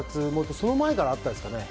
その前からあったですかね。